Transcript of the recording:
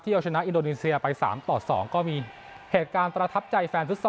ที่เอาชนะอินโดนิเซียไป๓๒ก็มีเหตุการณ์ตระทับใจแฟนซึดซอ